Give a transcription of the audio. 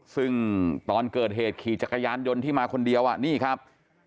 ซึ่งตอนเกิดเหตุขี่จักรยานยนต์ที่มาคนเดียวนี่ครับ